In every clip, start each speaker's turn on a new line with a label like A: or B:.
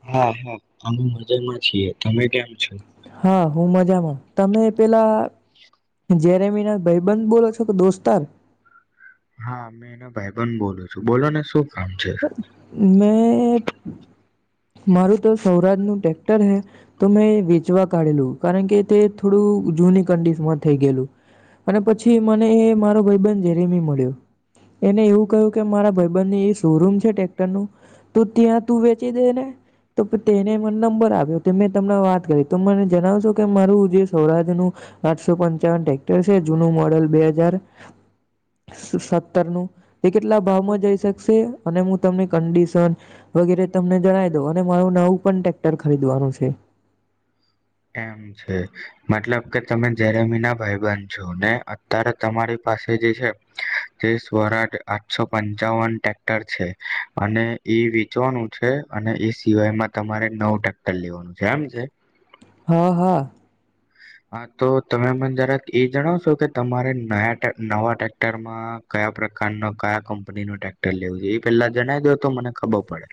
A: હા હા મજા છીએ તમે કેમ છો?
B: હા હું મજામાં તમે પેલા જેરે મીના ભાઈબંધ બોલો છો કે દોસ્તાર
A: હા મે એનો ભાઈબધ બોલું છું બોલો ને શું કામ છે
B: મેં મારું તો સૌરાષ્ટ્ર એકાદનું ટેક્ટર હે તો મે વી જોવા કાઢેલું કારણ કે તે થોડું જૂની કંડિશનમાં હતુ થઈ ગયેલું અને પછી મને મારો ભાઈધન જેરીમી મળ્યો એને એવું કહ્યું કે મારા ભાઈબધનની એ શોરૂમ છે એ ટ્રેક્ટર નું તો ત્યાં તું વેચી દેને તો પણ તેને મને નંબર આપ્યો તેમને તમને વાત કરી તો મને જણાવશો કે મારું જે સૌરાજ્યનું સો પંચાવન ટેક્ટર છે જૂનું મોડલ બે હજાર એકસો સત્તર નું તે કેટલા ભાવમાં જઈ શકશે અને હું તમને કંડીશન વગેરે તમને જણાય જો અને મારું નવું પણ ટ્રેક્ટર ખરીદવાનું છે.
A: એમ છે મતલબ કે તમે જેરેમીના ભાઈબધ છો ને અત્યારે તમારી પાસે જે છે તે સૌરાજ આઠસો પંચાવન ટ્રેક્ટર છે અને એ વેચવાનું છે અને એ સિવાયમાં તમારે નવુ ટ્રેક્ટર લેવાનું છે એમ છે.
B: હા હા
A: હા તો તમે મને જરાક એ જણાવશો કે તમારે નયા નવા ટ્રેક્ટરમાં કયા પ્રકારનો કયા કંપનીનો ટ્રેક્ટર લેવું છે એ પેલા જણાય દો તો મને ખબર પડે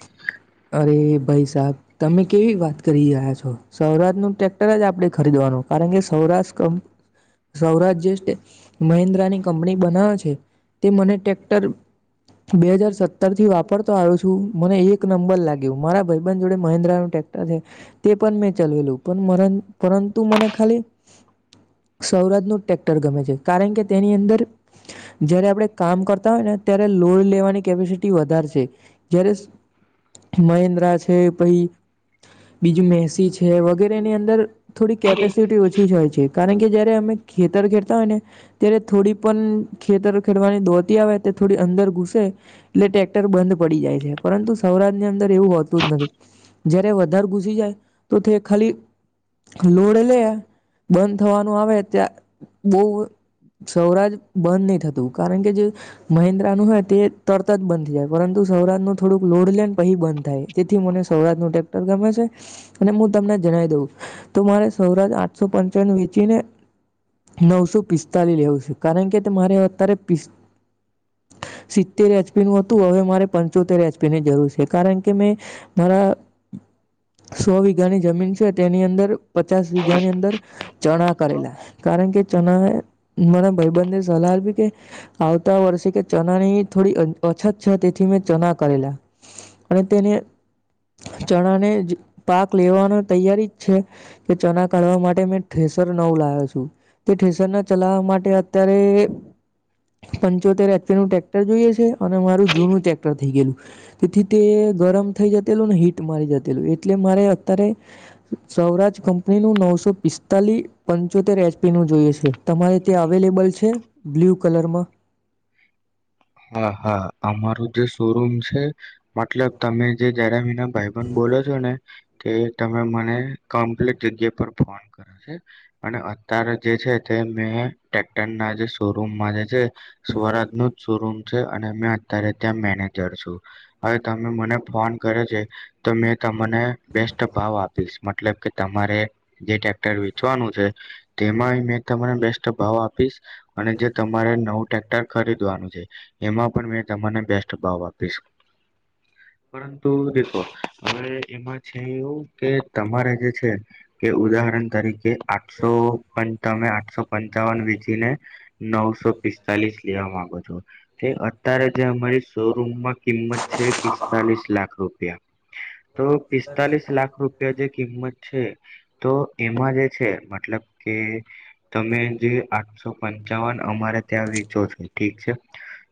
B: અરે ભાઈ સાબ તમે કેવી વાત કરી રહ્યા છો સૌરાજનુ ટ્રેક્ટર જ આપણે ખરીદવાનું કારણ કે સૌરાજ કંપ સૌરાજ્ય સ્ટે મહિન્દ્રાની કંપની બનાવે છે તે મને ટ્રેક્ટર બે હજાર સત્તરથી વાપરતો આવ્યો છું મને એક બલ લાગ્યું મારા- ભાઈબધ જોડે મહેન્દ્રનુ ટેક્ટર છે. તે પણ મેં ચલાવેલું પણ પરન પરંતુ મને ખાલી સૌરાજનુ ટ્રેક્ટર ગમે છે કારણ કે તેની અંદર જયારે આપડે કામ કરતા હોય ને ત્યારે લોડ લેવાની કેપીસીટી વધારે છે જ્યારે મહેન્દ્રા છે પહી બીજું મેહસી છે વગેરે એની અંદર થોડી કેપેસિટી ઓછી જ હોય છે કારણ કે જયારે અમે ખેતર ખેડતા હોય ને ત્યારે થોડી પણ ખેતર ખેડવાની દોતી આવે તે થોડી અંદર ઘુસે એટલે ટેક્ટર બંધ પડી જાય છે પરંતુ સ્વરાજની અંદર એવું હોતું જ નથી. જ્યારે વધારે ઘુસી જાય તો તે ખાલી લોડ લે. બંધ થવાનું આવે ત્યા બોવ સ્વરાજ બંધ નહી થતું કારણ કે જે મહેન્દ્ર ટાટાનું હોય તે તરત જ બંધ જાય પરંતુ સૌરાજનું થોડું લોડ લે પહી બંધ થાય તેથી મને સૌરાજનું ટ્રેક્ટર ગમે છે અને હું તમને જણાઈ દઉં તો મારે સૌરાજ આઠસો પાનસો વેચીને નવસો પિસ્તાલી લેવું છે કારણ કે તે મારે અત્યારે પીસ સિત્તેર અચપીનુ હતું હવે મારે પંચોતેર અચ તેની જરૂર છે કારણ કે મે મારા સો વીઘાની જમીન છે તેની અંદર અંદર પચાસ વીઘાની અંદર ચણા કરેલા કારણ કે ચના એ મને ભાઈબંધને સલાહ આપી કે આવતા વર્ષે કે ચનાની થોડી અછત છે તેથી મેં ચના કરેલા અને તેને ચણાને પાક લેવાનો તૈયારી જ છે. કે ચણા કાઢવા માટે મેં ઠેસર નવુ લાયો છું. તો ઠેસર ના ચલાવવા માટે અત્યારે પંચોતેર એચપીનું ટ્રેક્ટર જોઈએ છે અને મારું જૂનું ટ્રેક્ટર થઈ ગયેલું. તેથી તે ગરમ થઈ જતેલું ને હીટ મળી જતેલું એટલે મારે અત્યારે સવરાજ કંપનીનું નવસો પિસ્તાલી પંચોતેર એચપી નું જોઈએ છે તમારે તે અવેલેબલ છે બ્લ્યુ કલરમાં.
A: હા હા અમારું જે શોરૂમ છે મતલબ તમે જે જણાવ્યું ત્યાં ભાઈબંધ બોલે છે ને. તે તમે મને કમ્પ્લીટ જગ્યા પર ફોન કરો છે અને અત્યારે જે છે તે મેં ટેક્ટરના જે શોરૂમમાં જે છે સ્વરાજનું શોરૂમ છે અને મેં અત્યારે ત્યાં મેનેજર છું હવે તમે મને ફોન કરે છે તો મેં તમને બેસ્ટ ભાવ આપીશ મતલબ કે તમારે જે ટ્રેક્ટર વેચવાનું છે તેમાં મેં તમને બેસ્ટ ભાવ આપીશ. અને જે તમારે નવું ટ્રેક્ટર ખરીદવાનું. એમાં પણ મે બેસ્ટ ભાવ આપીશ. પરંતુ દેખો હવે એમાં છે એવું કે તમારે જે છે કે ઉદાહરણ તરીકે આઠસો પણ તમે આઠસો પંચાવન વીચીને નવસો પિસ્તાલીસ લેવા માંગો છો. તે અત્યારે જે અમારી શોરૂમમાં કિંમત છે પિસ્તાલીસ લાખ રૂપિયા તો પિસ્તાલીસ લાખ રૂપિયા જે કિંમત છે. તો એમાં જે છે મતલબ કે તમે જે આઠસો પંચાવન અમારે ત્યાં વેચો છો ઠીક છે.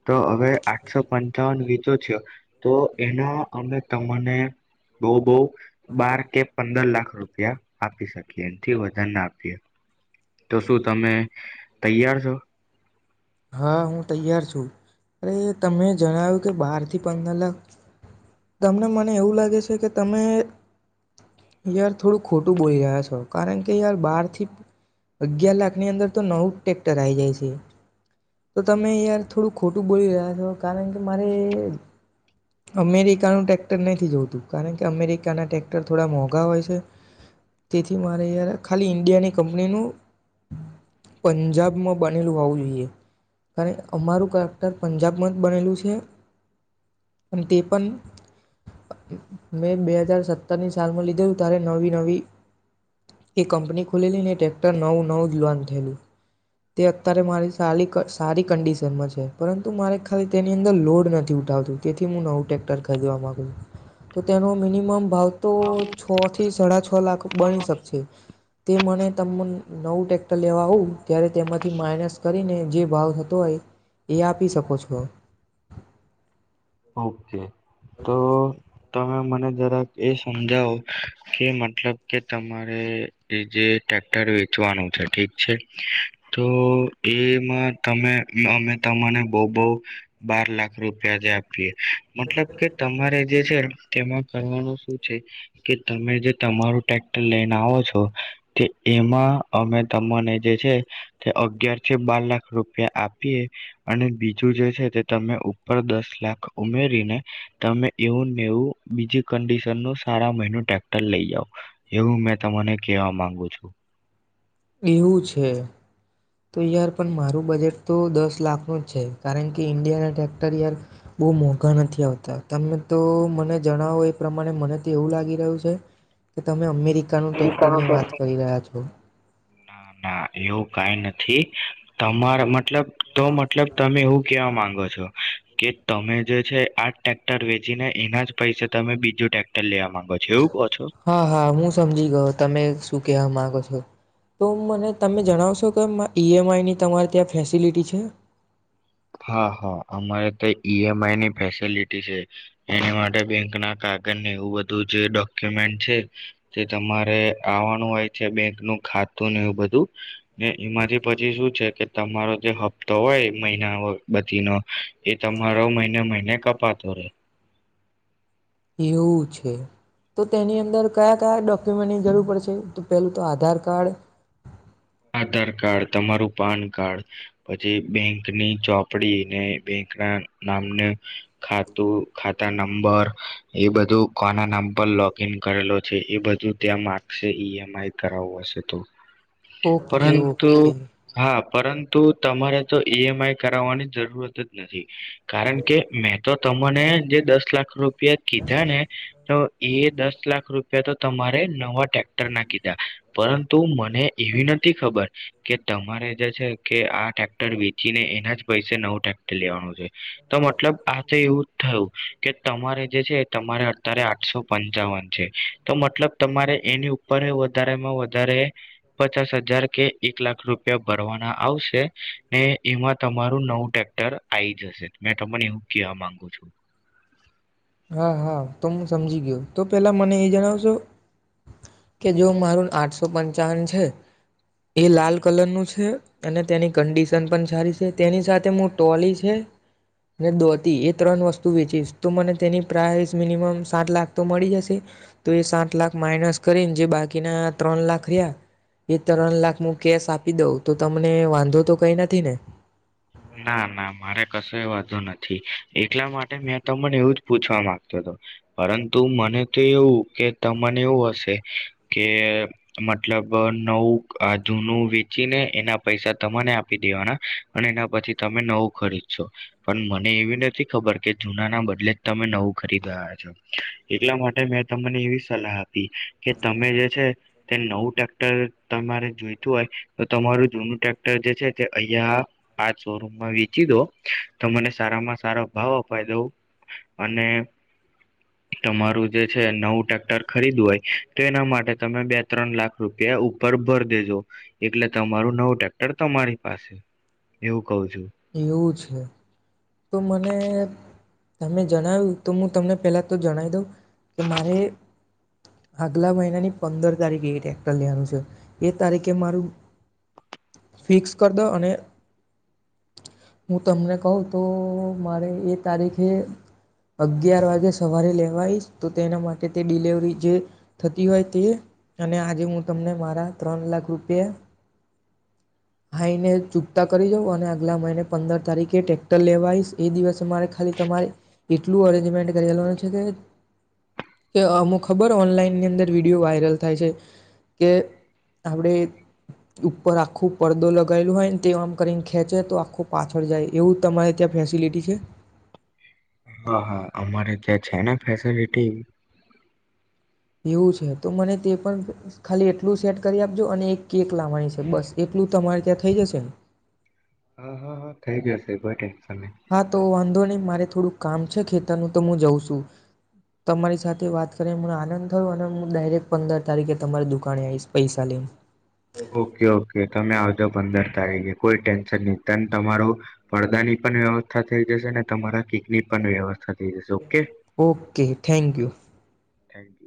A: તો હવે આઠસો પંચાવન વેચો છો તો એના અમે તમને બોહ બોહ બાર કે પંદર લાખ રૂપિયા આપી શકીએ એથી વધારે ના આપીએ. તો શું તમે તૈયાર છો.
B: હા હું તૈયાર છું અરે તમે જણાવ્યું કે બારથી પંદર લાખ તમને મને એવું લાગે છે કે તમે યાર થોડું ખોટું બોલી રહ્યા છો કારણ કે યાર બાર થી અગિયાર લાખની અંદર તો નવું જ ટ્રેક્ટર આઈ જાય છે. તો તમે યાર થોડું ખોટું બોલી રહ્યા છો. કારણ કે મારે અમેરિકાનું ટ્રેક્ટર નથી જોઈતું કારણ કે અમેરિકાના ટ્રેક્ટર થોડા મોંઘા હોય છે તેથી મારે યાર ખાલી ઈન્ડિયાની કંપનીનું પંજાબમાં બનેલું હોવું જોઈએ. અરે અમારુ ટ્રેક્ટર પંજાબમાં જ બનેલું છે તે પણ મેં બે હજાર સત્તરની સાલમાં લીધેલું ત્યારે નવી-નવી એ કંપની ખુલેલી ને ટ્રેક્ટર નવું-નવું જ લોન્ચ થયેલું. તે અત્યારે મારી સારી કસ સારી કન્ડિશનમાં છે. પરંતુ મારે ખાલી તેની અંદર લોડ નથી ઉઠાવતું તેથી હું નવું ટ્રેક્ટર ખરીદવા માગું તો તેનો મિનિમમ ભાવ- તો છ થી સાડા છ છ લાખ બની શકશે તે મને તમુન નવું ટેક્ટર લેવા આવું ત્યારે તેમાંથી માઇનસ કરીને જે ભાવ થતો હોય એ આપી શકો છો.
A: ઓકે. તો તમે મને જરાક એ સમજાવો કે મતલબ કે તમારે એ જે ટ્રેક્ટર વેચવાનું છે ઠીક છે તો એમાં તમે અમે તમાને બહુ બહુ બાર લાખ રૂપિયા જે આપ જ મતલબ કે તમારે જે છે તેમાં કરવાનું શું છે કે તમે જે તમારું ટટેક્ટર લઈને આવો છો તે એમાં અમે તને જે છે તે અગયાર થી બાર લાખ રૂપ રૂપિયા આપીએ અને બીજું જે છે તે તમે ઉપર દસ લાખ ઉમેરીને તમે એવુંનેવું બીજી કડિશન નું સારા મહિનું ટ્રેક્ટર લઈ જાાવ એવું મેં તમાને કવા માંગુ છું.
B: એવું છે તો યાર પણ મારું બજેટ તો દસ લાખનું જ છે કારણ કે ઈન્ડિયાના ટ્રેક્ટર યાર બહુ મોંઘા નથી આવતા તમે તો મને જણાવો એ પ્રમાણે મને તો એવું લાગી રહ્યું છે કે તમે અમેરિક ન ટ્રેક્ટર ની
A: અમેરિકાનું
B: વાત કરી રહ્યા છો.
A: ના ના એવું કઈ નથી તમારા માટે મતલબ તો મતલબ તમે એવું કેવા માંગો છો. કે તમે જે છે આ જ ટ્રેક્ટર વેચીને એના જ પૈસે તમે બીજું ટ્રેક્ટર લેવા માંગો છો એવું કહો છો
B: હા હા હું સમજી ગયો તમે શું કહેવા માગો છો તો મને તમે જણાવશો કે ઈ એમ આઈની તમારે ત્યાં ફેસિલિટી છે.
A: હા હા અમારે તો ઈએમ આઈની ફેસેલિટી છે એની માટે બેંક ના કાગળને એવું બધું જે ડોક્યુમેન્ટ છે તે તમારે આવવાનું હોય છે બેંકનું ખાતું ને એવું બધું ને એમાંથી પછી શું છે કે તમારો જે હપ્તો હોય મહિ બતી ન એ તમારો મહિને મહિને કપતો રે.
B: એવું છે તો તેની અંદર કયા કયા ડોક્યુમેન્ટની જરૂર પડશે તો પેલું તો આધાર કાર્ડ
A: આધાર કાર્ડ તમારું પાન કાર્ડ પછી બેંકની ચોપડી ને બેંકના નામને ખાતું ખાતા નંબર એ બધું કોના નામ પર લોગ ઇન કરેલો છે એ બધું ત્યાં માગશે ઈમ આઈ કરાવું હશે તો
B: ઓકે
A: પરંતુ
B: ઓકે
A: હા પરંતુ તમારે તો ઈ એમ આઈ કરાવવાની જરૂરત જ નથી કારણ કે મેં તો તો મને જે દસ લાખ રૂપ રૂ કીધા ને તો એ દસ લાખ રૂપિયા તો તમારે નવા ટ્રેક્ટર ના કીધા પરંતુ ને એવી નથી બચ કે તમારે જે છે કે આ ટ્રેક્ટર વેચીને એના જ પૈસે નવું ટ્રેક્ટર લેવાનું છે. તો મતલબ આજે એવું જ થયું. કે તમારે જે છે તમારે અત્યારે આઠસો પંચાવન છે તો મતલબ તમારે એની ઉપર વધારેમાં વધારે પચાસ હ જ્યારે કે એક લાખ રૂપિયા ભરવાના આવશે ને એમાં તમારું નવું ટ્રેક્ટર આઈ જશે મેં તમને એવું કહેવા માંગુ છું.
B: હા હા તો હું સમજી ગયો તો પેલા મને એ જણાવશો કે જો મારું આઠસો પંચાવન છે. એ લાલ કલર નું છે. અને તેની કંડિશન પણ સારી છે તેની સાથે હું ટોલી છે ને દોતી એ ત્રણ વસ્તુ વેચીશ તું મને તેની પ્રાઇસ મિનિમમ સાત લાખ તો મળી જશે તો એ સાત લાખ માઇનસ કરીને જે બાકીના ત્રણ લાખ રહ્યા એ ત્રણ લાખ હું કેશ આપી દઉં તો તમને વાંધો તો કઈ નથી ને?
A: ના ના મારે કશુય વાંધો નથી એટલા માટે મેં તમને એવું જ પૂછવા માંગતો હતો પરંતુ મને તો એવું કે તમને એવું હશે કે મતલબ નવું જૂનું વેચીને એના પૈસા તમાને આપી દેવાના અને એના પછી તમે નવું ખરીદશો પણ મને એવી નથી ખબર કે જૂના ના બદલે જ તમે નવું ખરીદ્યા છો એટલા માટે મેં તમને એવી સલાહ આપી કે તમે જે છે તે નવું ટ્રેક્ટર તમારે જોઈતું હોય તો તમારું જૂનું ટ્રેક્ટર જે છે તે અહીયાં આ શોરૂમમાં વેચી દો તો મને સારામાં સારા ભાવ અપાઈ દવ અને તમારું જે છે નવું ટ્રેક્ટર ખરીદું હોય તો એના માટે તમે બે ત્રણ લાખ રૂપિયા ઉપર ભર દેજો એટલે તમારું નવું ટેક્ટર તમારી પાસે. એવું કવ છું.
B: એવું તો મને તમે જણાવ્યું તો હું તમને પહેલાં તો જણાવી દઉં. કે મારે આગલા મહિનાની પંદર તારીખે એ ટ્રેક્ટર લેવાનું છે એ તારીખે મારું ફિક્સ કરી દો અને હું તમને કહું તો મારે એ તારીખે અગિયાર વાગે સવારે લેવાયશ. તો તેના માટે તે ડિલેવરી જે થતી હોય તે અને આજે હું તમને મારા ત્રણ લાખ રૂપિયા હાઈને ચૂકતા કરી દઉં અને આગલા મહિને પંદર તારીખે ટેક્ટર લેવાઈશ એ દિવસે મારે ખાલી તમારે એટલું અરેન્જમેન્ટ કરેલનું છે કે કે અમુક ખબર ઓનલાઈનની અંદર વિડીયો વાયરલ થાય છે. કે આપણે ઉપર આખો પડદો લગાવેલ હોય ને તે આમ કરીને ખેંચે તો આખું પાછળ જાય એવું તમારે ક્યાં ફેસિલિટી છે?
A: હા હા અમારે જયા છે ને ફેસલિટી.
B: એવું છે તો મને તે પણ ખાલી એટલું સેટ કરી આપજો અને એક કેક લાવવાની છે બસ એટલું તમારે ત્યાં થઈ જશે ને?
A: હા હા હા થઈ ગયા છે. તે ઈ પટે.
B: હા તો વાંધો નહીં મારે થોડું કામ ખેતરનું તો હું જઉં છું. તમારી સાથે વાત કરીને મને આનંદ થયો અને હું ડાયરેક્ટ પંદર તારીખે તમારી દુકાને આવીઈશ પૈસા લઈન.
A: ઓકે ઓકે તમે આવજો પંદરે તારીખે કોઈ ટેન્શન નહી ત તમારો પડદા ની પણ વ્યવસ્થા થઈ જશે ને તમારા કેકની પણ વ્યવસ્થા થઈ જશે okay
B: okay thank you.
A: Thank you